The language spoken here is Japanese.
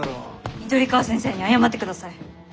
緑川先生に謝ってください。